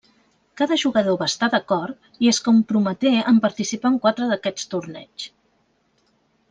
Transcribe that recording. Cada jugador va estar d'acord i es comprometé en participar en quatre d'aquests torneigs.